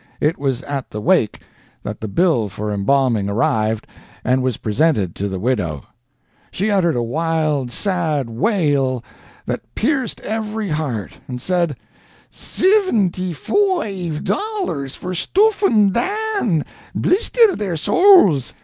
It was at the "wake" that the bill for embalming arrived and was presented to the widow. She uttered a wild, sad wail that pierced every heart, and said, "Sivinty foive dollars for stooffin' Dan, blister their sowls!